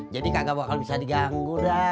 jadi kagak bakal bisa diganggu dah